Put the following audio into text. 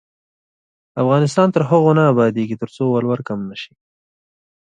افغانستان تر هغو نه ابادیږي، ترڅو ولور کم نشي.